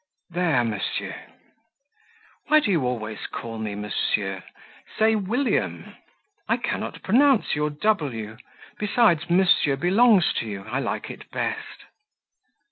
"There, monsieur." "Why do you always call me 'Monsieur'? Say, 'William.'" "I cannot pronounce your W; besides, 'Monsieur' belongs to you; I like it best."